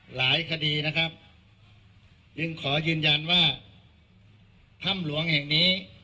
หลายคดีนะครับจึงขอยืนยันว่าถ้ำหลวงแห่งนี้